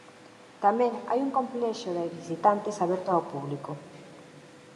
Tamén hai un complexo de visitantes aberto ao público.